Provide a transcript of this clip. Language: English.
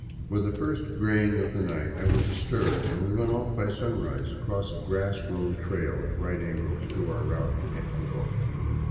With the first graying of the night I was astir, and we were ofT by sunrise along a grass grown trail at right angles to our route to Ecuador.